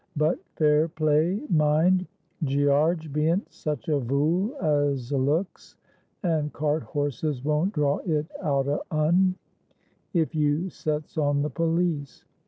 But fair play, mind. Gearge bean't such a vool as a looks, and cart horses won't draw it out of un, if you sets on the police.